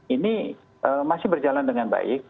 ini masih berjalan dengan baik